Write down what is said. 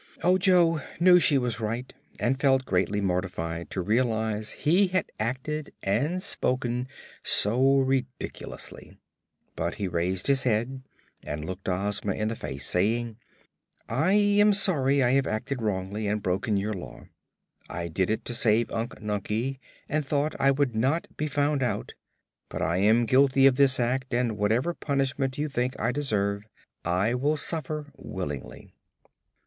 Ojo knew she was right and felt greatly mortified to realize he had acted and spoken so ridiculously. But he raised his head and looked Ozma in the face, saying: "I am sorry I have acted wrongly and broken your Law. I did it to save Unc Nunkie, and thought I would not be found out. But I am guilty of this act and whatever punishment you think I deserve I will suffer willingly."